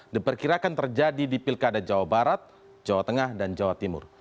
diperkirakan terjadi di pilkada jawa barat jawa tengah dan jawa timur